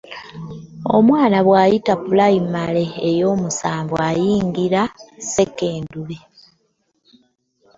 Omwana bwayita pulayimale eyo musanvu ayingira sekendule.